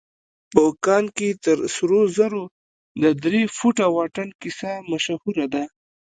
په کان کې تر سرو زرو د درې فوټه واټن کيسه مشهوره ده.